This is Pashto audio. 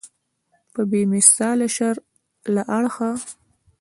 په بې مثاله شر له اړخه.